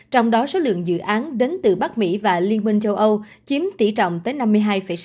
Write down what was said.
trong đó số lượng dự án đến từ bắc mỹ và liên minh châu âu chiếm tỷ trọng tới năm mươi hai sáu